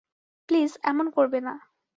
Please এমন করবে না।